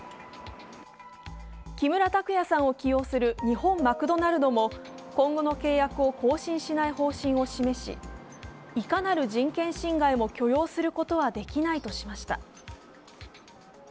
木村拓哉さんを起用する日本マクドナルドも今後の契約を更新しない方針を示し、いかなる人権侵害も許容することはできないとしました。